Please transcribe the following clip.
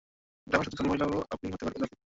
গ্রামের সবচেয়ে ধনী মহিলাও আপনি হতে পারবেন দাদি।